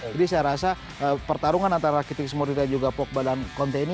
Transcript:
jadi saya rasa pertarungan antara rakitic modric dan juga pogba dan conte ini